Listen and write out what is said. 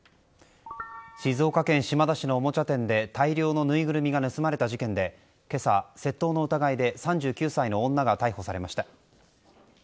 静岡県島田市のおもちゃ店で大量のぬいぐるみが盗まれた事件で今朝、窃盗の疑いで３９歳の女が逮捕されました。